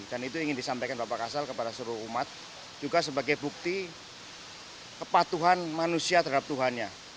dan itu ingin disampaikan bapak kasal kepada seluruh umat juga sebagai bukti kepatuhan manusia terhadap tuhannya